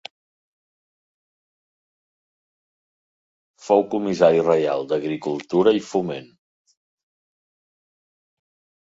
Fou comissari reial d'Agricultura i Foment.